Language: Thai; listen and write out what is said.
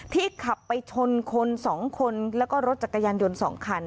ที่ขับไปชนคนสองคนแล้วก็รถจักรยานยนต์สองคัน